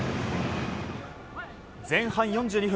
前半４２分。